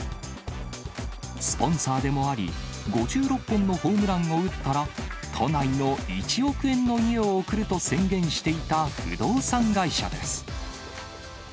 スポンサーでもあり、５６本のホームランを打ったら、都内の１億円の家を贈ると宣言していた不動産会社です。